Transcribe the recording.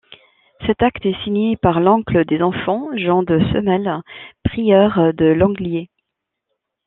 Cet acte est signé par l'oncle des enfants, Jean de Semel, prieur de Longlier.